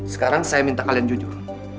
sekarang saya minta kalian jujur